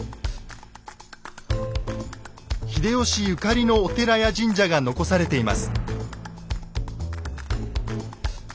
秀吉ゆかりのお寺や神社が残されています。